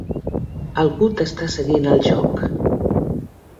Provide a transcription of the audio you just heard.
Algú t'està seguint el joc.